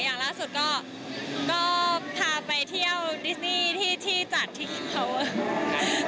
อย่างล่าสุดก็พาไปเที่ยวดิสนี่ที่จัดที่เขา